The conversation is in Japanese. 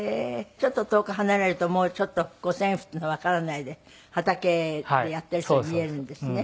ちょっと遠く離れると五線譜っていうのわからないで畑でやっている人に見えるんですね。